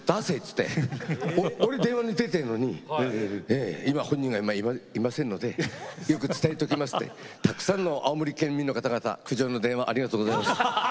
って俺、電話に出てるのに今、本人がいませんのでよく伝えときますってたくさんの青森県民の方々苦情の電話ありがとうございます。